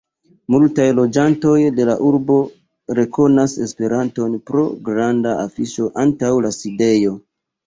Multaj loĝantoj de la urbo rekonas Esperanton pro granda afiŝo antaŭ la sidejo.